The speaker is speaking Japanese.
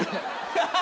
ハハハハ！